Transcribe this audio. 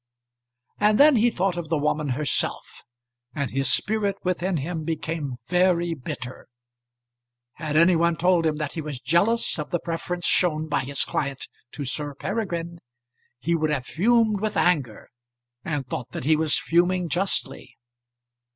And then he thought of the woman herself, and his spirit within him became very bitter. Had any one told him that he was jealous of the preference shown by his client to Sir Peregrine, he would have fumed with anger, and thought that he was fuming justly.